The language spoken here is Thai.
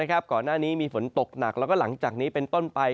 ก่อนหน้านี้มีฝนตกหนักแล้วก็หลังจากนี้เป็นต้นไป